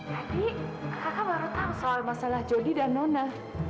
jadi kakak baru tahu soal masalah jody dan nona